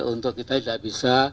untuk kita tidak bisa